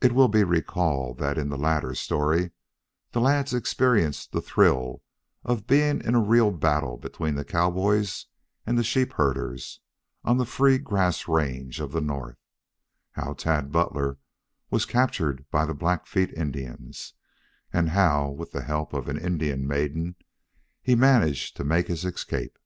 It will be recalled that in the latter story the lads experienced the thrill of being in a real battle between the cowboys and the sheep herders on the free grass range of the north; how Tad Butler was captured by the Blackfeet Indians, and how, with the help of an Indian maiden, he managed to make his escape.